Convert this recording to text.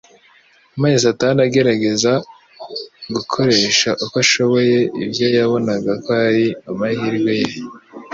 maze Satani agerageza gukoresha uko ashoboye ibyo yabonaga ko ari amahirwe ye.